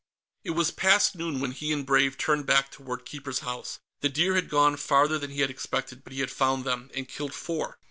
It was past noon when he and Brave turned back toward Keeper's House. The deer had gone farther than he had expected, but he had found them, and killed four.